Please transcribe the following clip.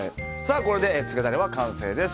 これで、漬けダレは完成です。